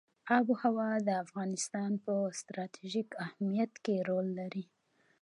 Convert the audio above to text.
آب وهوا د افغانستان په ستراتیژیک اهمیت کې رول لري.